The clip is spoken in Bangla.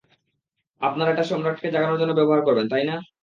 আপনারা এটা সম্রাটকে জাগানোর জন্য ব্যবহার করবেন, তাই না?